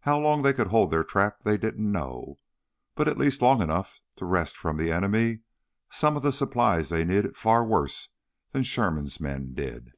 How long they could hold their trap they didn't know, but at least long enough to wrest from the enemy some of the supplies they needed far worse than Sherman's men did.